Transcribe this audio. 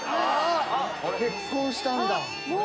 結婚したんだ。